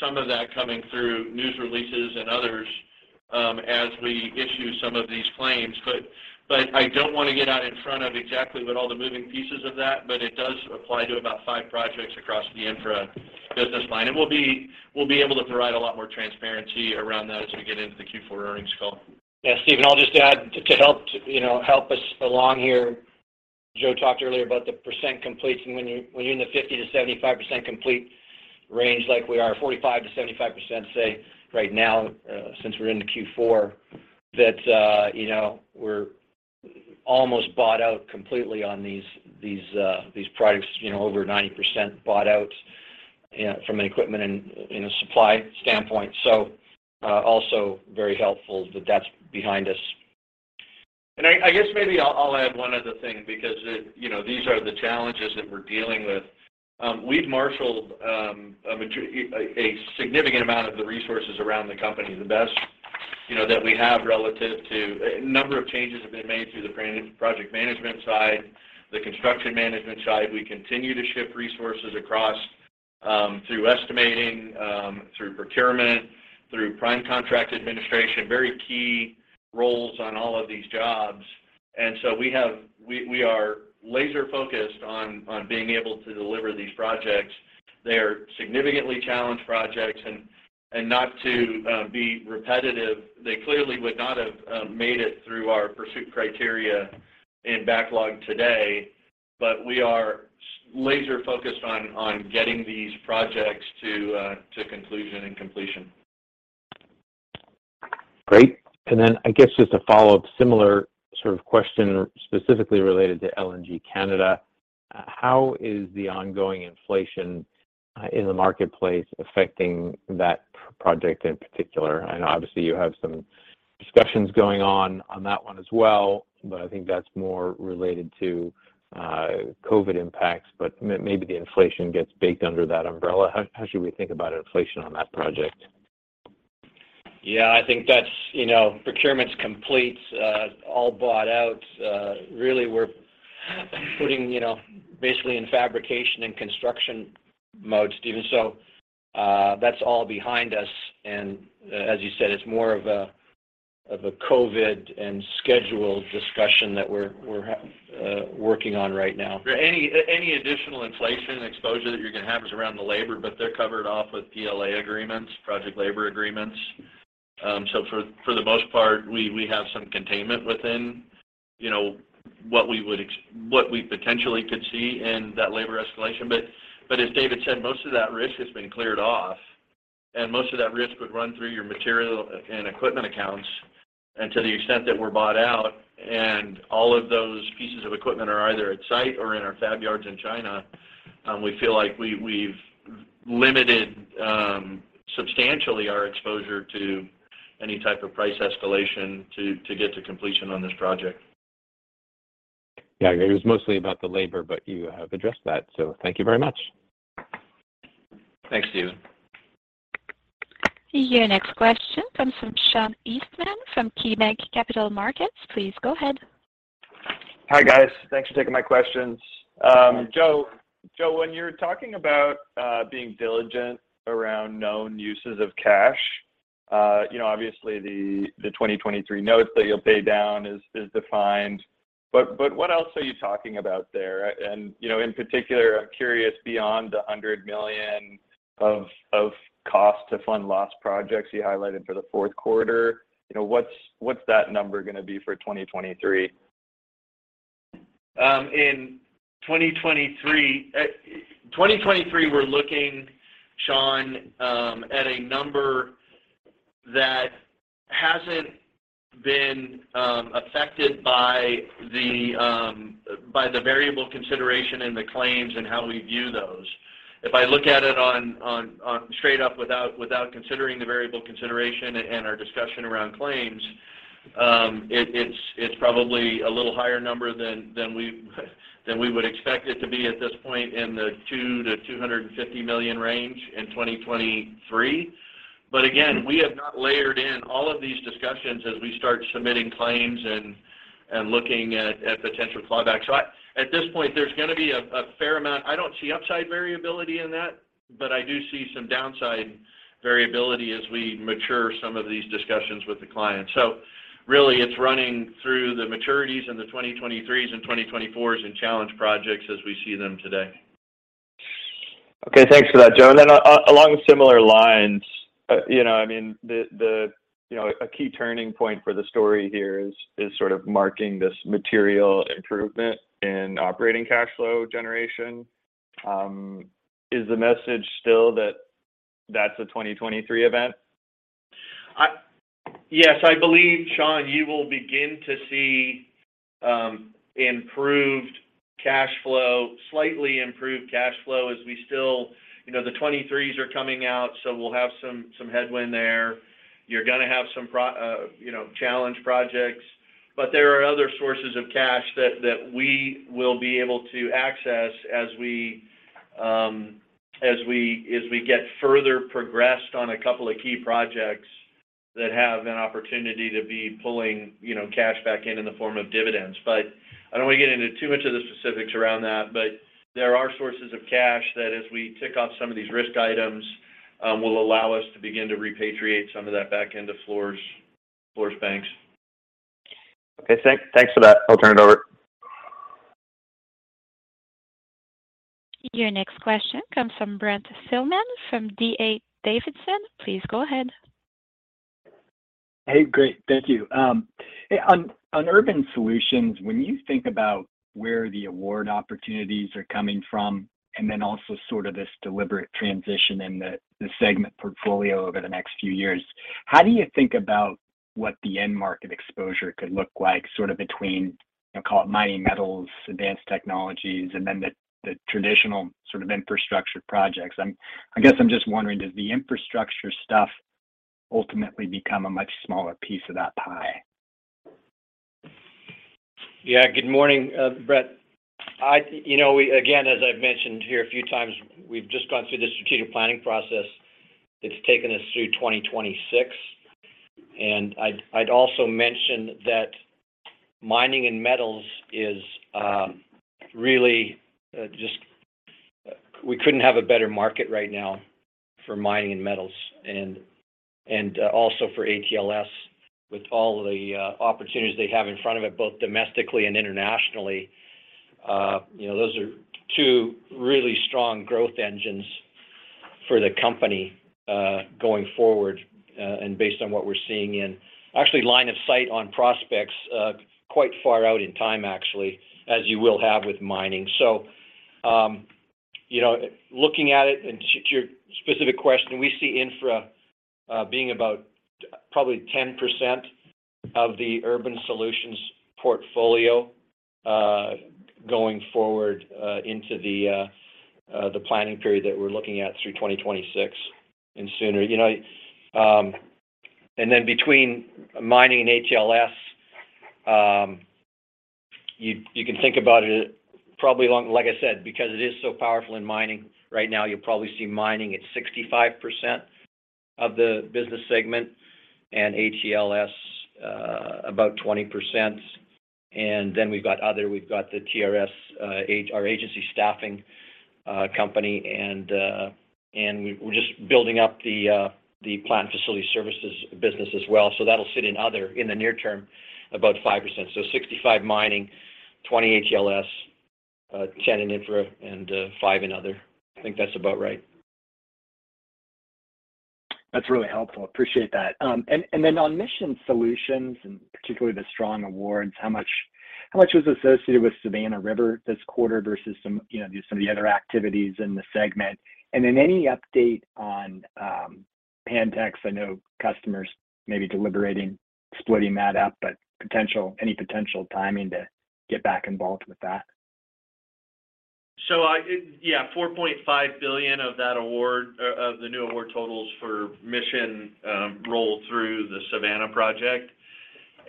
some of that coming through news releases and others, as we issue some of these claims. But I don't wanna get out in front of exactly what all the moving pieces of that, but it does apply to about five projects across the Infra business line. We'll be able to provide a lot more transparency around that as we get into the Q4 earnings call. Yeah. Steven, I'll just add to help, you know, help us along here. Joe talked earlier about the percent complete, and when you're in the 50%-75% complete range like we are, 45%-75%, say, right now, since we're into Q4, that you know, we're almost bought out completely on these projects, you know, over 90% bought out. Yeah, from an equipment and, you know, supply standpoint. Also very helpful that that's behind us. I guess maybe I'll add one other thing because you know, these are the challenges that we're dealing with. We've marshaled a significant amount of the resources around the company, the best you know, that we have relative to a number of changes have been made through the project management side, the construction management side. We continue to shift resources across through estimating, through procurement, through prime contract administration, very key roles on all of these jobs. We are laser-focused on being able to deliver these projects. They're significantly challenged projects and not to be repetitive, they clearly would not have made it through our pursuit criteria in backlog today. We are laser-focused on getting these projects to conclusion and completion. Great. I guess just a follow-up, similar sort of question specifically related to LNG Canada. How is the ongoing inflation in the marketplace affecting that project in particular? I know obviously you have some discussions going on that one as well, but I think that's more related to COVID impacts, but maybe the inflation gets baked under that umbrella. How should we think about inflation on that project? Yeah, I think that's, you know, procurement's complete, all bought out. Really we're putting, you know, basically in fabrication and construction modes, Steven. That's all behind us and, as you said, it's more of a COVID and schedule discussion that we're working on right now. Any additional inflation exposure that you're gonna have is around the labor, but they're covered off with PLA agreements, project labor agreements. So for the most part, we have some containment within, you know, what we potentially could see in that labor escalation. But as David said, most of that risk has been cleared off, and most of that risk would run through your material and equipment accounts. To the extent that we're bought out and all of those pieces of equipment are either at site or in our fab yards in China, we feel like we've limited substantially our exposure to any type of price escalation to get to completion on this project. Yeah. It was mostly about the labor, but you have addressed that, so thank you very much. Thanks, Steven. Your next question comes from Sean Eastman from KeyBanc Capital Markets. Please go ahead. Hi, guys. Thanks for taking my questions. Joe, when you're talking about being diligent around known uses of cash, you know, obviously the 2023 notes that you'll pay down is defined, but what else are you talking about there? You know, in particular, I'm curious beyond the $100 million of cost to fund lost projects you highlighted for the fourth quarter. You know, what's that number gonna be for 2023? In 2023, we're looking, Sean, at a number that hasn't been affected by the variable consideration and the claims and how we view those. If I look at it on straight up without considering the variable consideration and our discussion around claims, it's probably a little higher number than we would expect it to be at this point in the $200 million-$250 million range in 2023. Again, we have not layered in all of these discussions as we start submitting claims and looking at potential clawbacks. At this point, there's gonna be a fair amount. I don't see upside variability in that, but I do see some downside variability as we mature some of these discussions with the clients. really, it's running through the maturities and the 2023s and 2024s and challenge projects as we see them today. Okay. Thanks for that, Joe. Along similar lines, you know, I mean, the you know, a key turning point for the story here is sort of marking this material improvement in operating cash flow generation. Is the message still that that's a 2023 event? Yes. I believe, Sean, you will begin to see improved cash flow, slightly improved cash flow. You know, the 2023s are coming out, so we'll have some headwind there. You're gonna have some challenge projects. There are other sources of cash that we will be able to access as we get further progressed on a couple of key projects that have an opportunity to be pulling you know, cash back in in the form of dividends. I don't want to get into too much of the specifics around that, but there are sources of cash that as we tick off some of these risk items will allow us to begin to repatriate some of that back into Fluor's banks. Okay. Thanks for that. I'll turn it over. Your next question comes from Brent Thielman from D.A. Davidson. Please go ahead. Hey. Great. Thank you. Hey, on Urban Solutions, when you think about where the award opportunities are coming from and then also sort of this deliberate transition in the segment portfolio over the next few years, how do you think about? What the end market exposure could look like sort of between, you know, call it mining metals, advanced technologies, and then the traditional sort of infrastructure projects. I guess I'm just wondering, does the infrastructure stuff ultimately become a much smaller piece of that pie? Good morning, Brent. You know, again, as I've mentioned here a few times, we've just gone through the strategic planning process that's taken us through 2026. I'd also mention that mining and metals is really just. We couldn't have a better market right now for mining and metals and also for ATLS with all the opportunities they have in front of it, both domestically and internationally. You know, those are two really strong growth engines for the company going forward and based on what we're seeing in actual line of sight on prospects quite far out in time, actually, as you will have with mining. you know, looking at it and to your specific question, we see infra being about probably 10% of the Urban Solutions portfolio going forward into the planning period that we're looking at through 2026 and sooner. You know, between mining and HLS, you can think about it probably. Like I said, because it is so powerful in mining right now, you'll probably see mining at 65% of the business segment and HLS about 20%. We've got other. We've got the TRS, our agency staffing company, and we're just building up the Plant & Facility Services business as well. That'll sit in other in the near-term, about 5%. 65 mining, 20 HLS, 10 in infra and five in other. I think that's about right. That's really helpful. Appreciate that. On Mission Solutions, and particularly the strong awards, how much was associated with Savannah River this quarter versus some, you know, just some of the other activities in the segment? Any update on Pantex? I know customers may be deliberating splitting that up, but any potential timing to get back involved with that. Yeah, $4.5 billion of that award of the new award totals for Mission rolled through the Savannah project.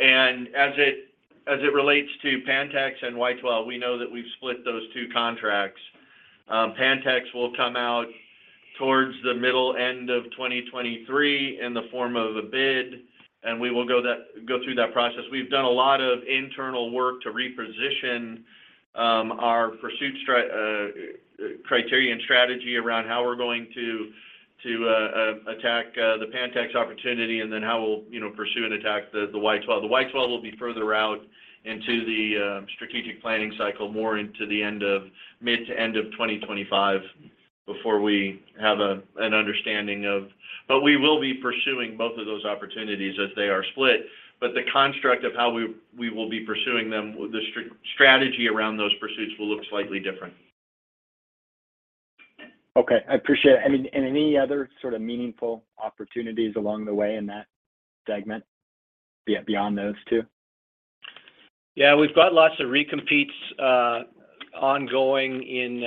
As it relates to Pantex and Y-12, we know that we've split those two contracts. Pantex will come out towards the middle end of 2023 in the form of a bid, and we will go through that process. We've done a lot of internal work to reposition our pursuit strategy around how we're going to attack the Pantex opportunity and then how we'll, you know, pursue and attack the Y-12. The Y-12 will be further out into the strategic planning cycle, more into the mid to end of 2025 before we have an understanding of. We will be pursuing both of those opportunities as they are split, but the construct of how we will be pursuing them with the strategy around those pursuits will look slightly different. Okay. I appreciate it. Any other sort of meaningful opportunities along the way in that segment beyond those two? Yeah. We've got lots of recompetes ongoing in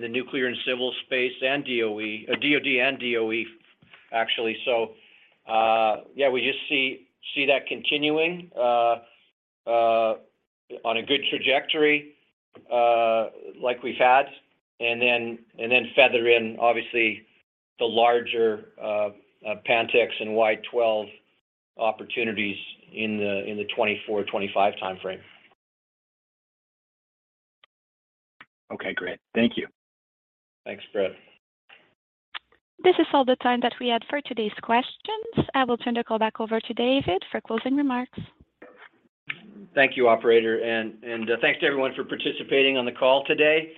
the nuclear and civil space and DOE, DOD and DOE actually. We just see that continuing on a good trajectory, like we've had, and then feather in obviously the larger Pantex and Y-12 opportunities in the 2024/2025 timeframe. Okay. Great. Thank you. Thanks, Brent. This is all the time that we had for today's questions. I will turn the call back over to David for closing remarks. Thank you, operator, thanks to everyone for participating on the call today.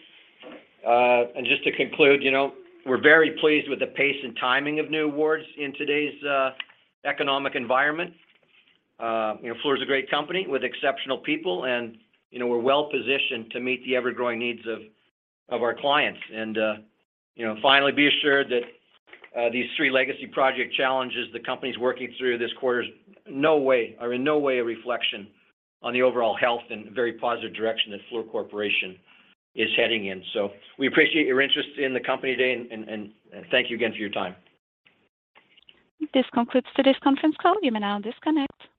Just to conclude, you know, we're very pleased with the pace and timing of new awards in today's economic environment. You know, Fluor is a great company with exceptional people, and, you know, we're well-positioned to meet the ever-growing needs of our clients. Finally, you know, be assured that these three legacy project challenges the company's working through this quarter are in no way a reflection on the overall health and very positive direction that Fluor Corporation is heading in. We appreciate your interest in the company today, thank you again for your time. This concludes today's conference call. You may now disconnect.